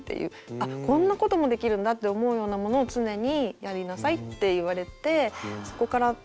あっこんなこともできるんだって思うようなものを常にやりなさいって言われてそこから常に意識しています。